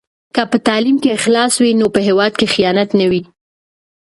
که په تعلیم کې اخلاص وي نو په هېواد کې خیانت نه وي.